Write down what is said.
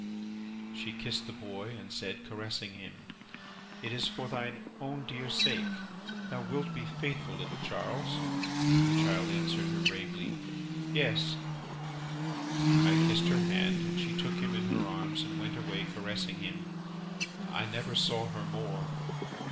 "She kissed the boy, and said, caressing him, 'It is for thine own dear sake. Thou wilt be faithful, little Charles?' The child answered her bravely, 'Yes!' I kissed her hand, and she took him in her arms, and went away caressing him. I never saw her more.